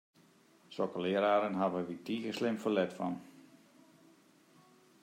Sokke leararen hawwe wy tige slim ferlet fan!